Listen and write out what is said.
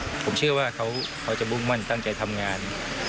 ผมเชื่อว่าเขาจะมุ่งมั่นตั้งใจทำงาน